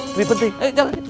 lebih penting ayo jalan